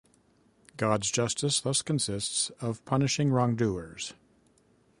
God's justice thus consists of punishing wrongdoers.